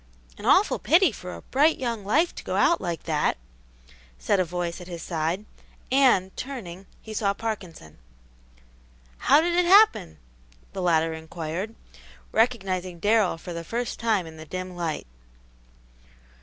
"An awful pity for a bright young life to go out like that!" said a voice at his side, and, turning, he saw Parkinson. "How did it happen?" the latter inquired, recognizing Darrell for the first time in the dim light.